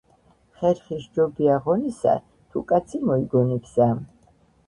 ხერხი სჯობია ღონესა თუ კაცი მოიგონებსა.